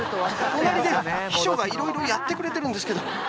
隣で秘書がいろいろやってくれてるんですけど。